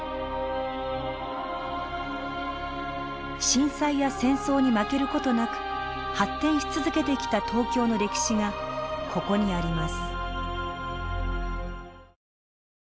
震災や戦争に負ける事なく発展し続けてきた東京の歴史がここにあります。